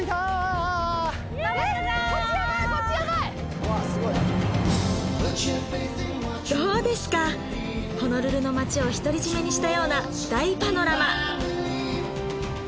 うわっすごいどうですかホノルルの街を独り占めにしたような大パノラマ